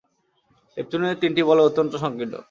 নেপচুনের তিনটি বলয় অত্যন্ত সংকীর্ণ।